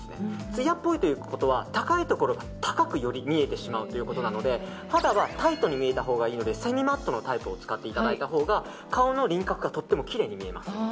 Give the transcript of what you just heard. つやっぽいということは高いところがより高く見えてしまうということなので肌はタイトに見えたほうがいいのでセミマットのタイプを使っていただいたほうが顔の輪郭がとてもきれいに見えます。